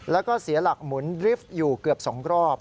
แล้วก็เสียหลักหมุนดริฟต์อยู่เกือบ๒รอบ